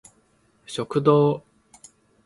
食堂